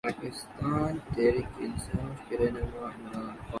پاکستان تحریک انصاف کے رہنما عمران خان